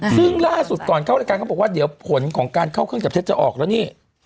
ซึ่งล่าสุดก่อนเข้ารายการเขาบอกว่าเดี๋ยวผลของการเข้าเครื่องจับเท็จจะออกแล้วนี่